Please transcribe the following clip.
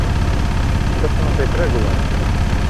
Un tas notiek regulāri!